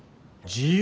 自由？